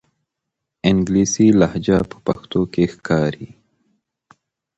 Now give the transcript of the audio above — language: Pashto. انګلیسي لهجه په پښتو کې ښکاري.